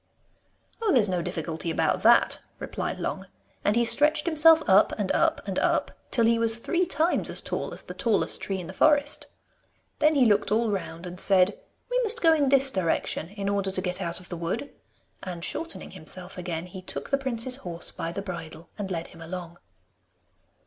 'Oh, there's no difficulty about that,' replied Long, and he stretched himself up and up and up till he was three times as tall as the tallest tree in the forest. Then he looked all round and said, 'We must go in this direction in order to get out of the wood,' and shortening himself again, he took the prince's horse by the bridle, and led him along.